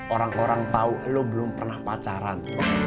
orang orang tahu lo belum pernah pacaran